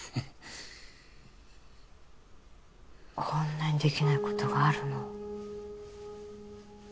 こんなにできないことがあるの。